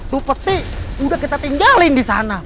tukti udah kita tinggalin di sana